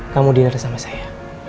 kamu dinear sama saya